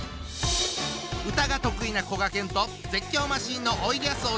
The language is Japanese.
歌が得意なこがけんと絶叫マシンのおいでやす小田。